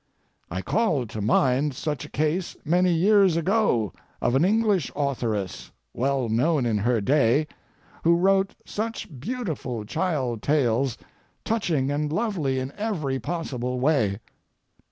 I call to mind such a case many years ago of an English authoress, well known in her day, who wrote such beautiful child tales, touching and lovely in every possible way.